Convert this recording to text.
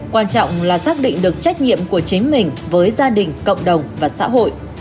quan trọng là xác định được trách nhiệm của chính mình với gia đình cộng đồng và xã hội